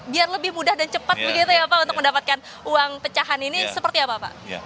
biar lebih mudah dan cepat begitu ya pak untuk mendapatkan uang pecahan ini seperti apa pak